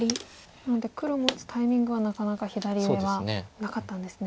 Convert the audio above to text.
なので黒も打つタイミングはなかなか左上はなかったんですね。